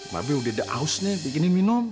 babes udah dah aus nih bikinin minum